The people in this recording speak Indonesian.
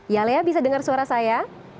ya lea bisa dengar suara saya